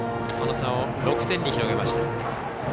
その差を６点に広げました。